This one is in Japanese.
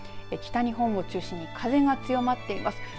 北日本を中心に風が強まっています。